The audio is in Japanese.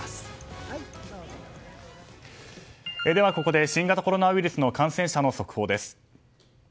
ではここで新型コロナウイルスの感染者の速報です。